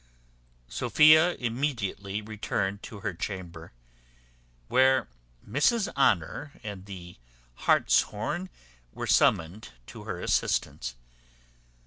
Sophia immediately retired to her chamber, where Mrs Honour and the hartshorn were summoned to her assistance.